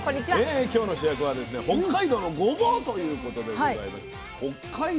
今日の主役は北海道のごぼうということでございまして北海道